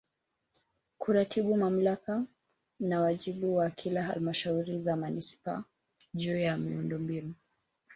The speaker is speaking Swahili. Kuratibu Mamlaka na wajibu wa kila Halmashauri za Manispaa juu ya miundombinu